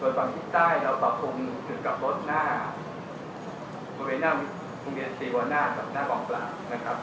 ส่วนปั๊บที่ใต้เราปรับภูมิถึงกลับรถหน้าบริเวณหน้าภูมิในสีวะหน้าแบบหน้ากล่องกลาง